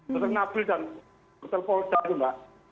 dokter nabil dan dokter polzai itu mbak